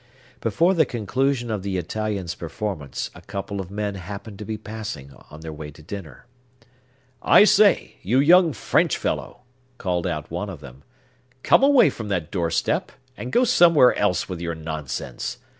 Before the conclusion of the Italian's performance, a couple of men happened to be passing, On their way to dinner. "I say, you young French fellow!" called out one of them,—"come away from that doorstep, and go somewhere else with your nonsense!